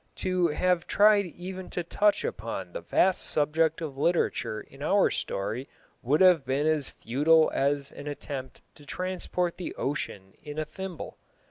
To have tried even to touch upon the vast subject of literature in our story would have been as futile as an attempt to transport the ocean in a thimble.